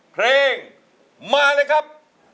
เพลงมาเลยครับ